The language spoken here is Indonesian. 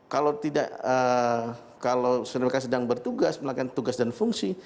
kalau tidak kalau mereka sedang bertugas melakukan tugas dan fungsi